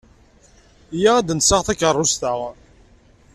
Iyya ad d-nseɣ takeṛṛust-a.